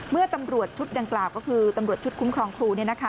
เมื่อตำรวจชุดดังกล่าวก็คือตำรวจชุดคุ้มครองครู